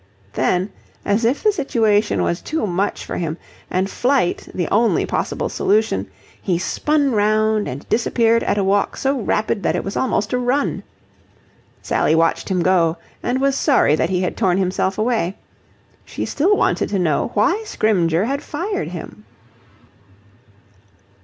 Then, as if the situation was too much for him and flight the only possible solution, he spun round and disappeared at a walk so rapid that it was almost a run. Sally watched him go and was sorry that he had torn himself away. She still wanted to know why Scrymgeour had fired him.